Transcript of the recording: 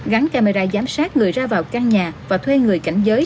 gắn camera giám sát người ra vào căn nhà và thuê người cảnh giới